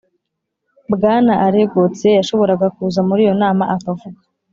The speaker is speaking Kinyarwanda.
bwana alain gauthier yashoboraga kuza muri iyo nama akavuga